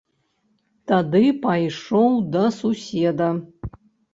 Тады пайшоў да суседа.